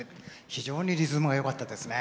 非常にリズムがよかったですね。